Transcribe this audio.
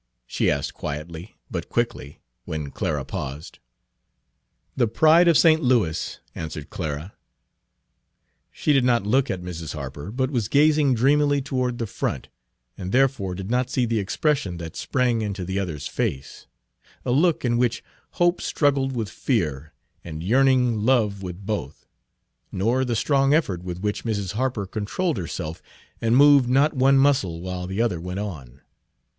she asked quietly, but quickly, when Clara paused. "The Pride of St. Louis," answered Clara. She did not look at Mrs. Harper, but was gazing dreamily toward the front, and therefore did not see the expression that sprang into the other's face, a look in which hope struggled with fear, and yearning love with both nor the strong effort with which Mrs. Harper controlled herself and moved not one muscle while the other went on.